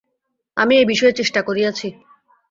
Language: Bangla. আমি এ বিষয়ে চেষ্টা করিয়াছি।